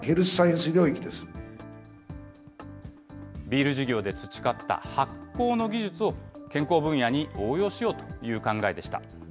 ビール事業で培った発酵の技術を、健康分野に応用しようという考えでした。